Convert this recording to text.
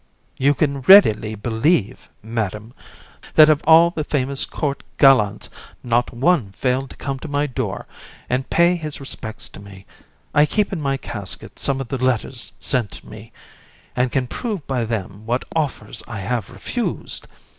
COUN. You can readily believe, Madam, that of all the famous court gallants not one failed to come to my door and pay his respects to me. I keep in my casket some of the letters sent me, and can prove by them what offers I have refused.